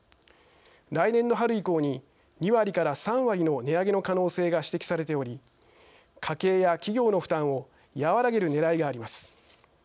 来年の春以降に２割から３割の値上げの可能性が指摘されており家計や企業の負担を和らげるねらいがあります。